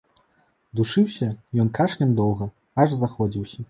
Душыўся ён кашлем доўга, аж заходзіўся.